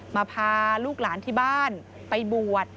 พาลูกหลานที่บ้านไปบวช